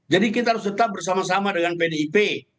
jadi kita harus tetap bersama sama dengan pdip